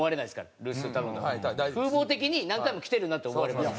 風貌的に何回も来てるなって思われます。